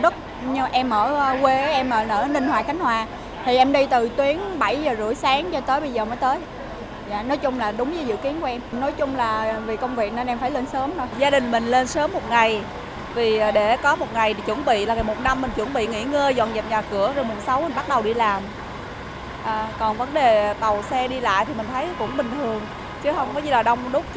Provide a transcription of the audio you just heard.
còn vấn đề tàu xe đi lại thì mình thấy cũng bình thường chứ không có gì là đông đúc chen chút như là ngày tết